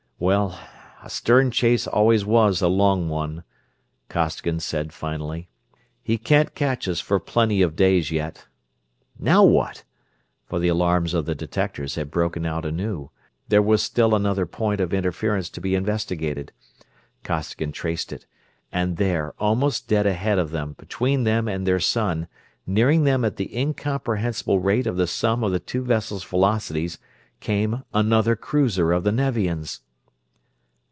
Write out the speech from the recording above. "Well, a stern chase always was a long one," Costigan said finally. "He can't catch us for plenty of days yet ... now what?" for the alarms of the detectors had broken out anew. There was still another point of interference to be investigated. Costigan traced it; and there, almost dead ahead of them, between them and their sun, nearing them at the incomprehensible rate of the sum of the two vessels' velocities, came another cruiser of the Nevians!